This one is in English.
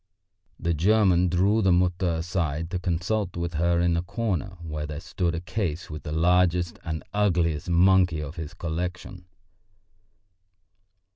The German drew the Mutter aside to consult with her in a corner where there stood a case with the largest and ugliest monkey of his collection.